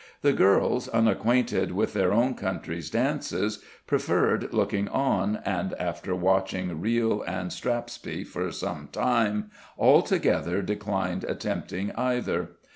The girls, unacquainted with their own country's dances, preferred looking on, and after watching reel and strathspey for some time, altogether declined attempting either.